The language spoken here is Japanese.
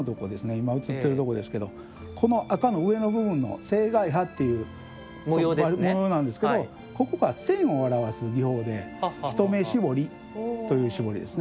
今映ってるところですけどこの赤の上の部分の青海波っていうものなんですけどここが線を表す技法で一目絞りという絞りですね。